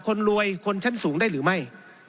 คนรวยคนชั้นสูงได้หรือไม่